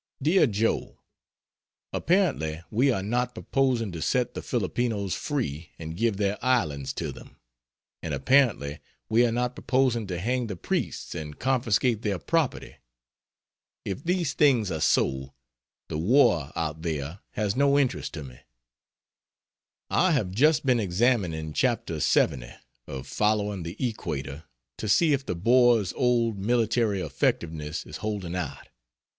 DEAR JOE, Apparently we are not proposing to set the Filipinos free and give their islands to them; and apparently we are not proposing to hang the priests and confiscate their property. If these things are so, the war out there has no interest for me. I have just been examining chapter LXX of "Following the Equator," to see if the Boer's old military effectiveness is holding out.